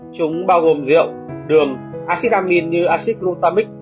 chúng bao gồm rượu đường acid amine như acid glutamic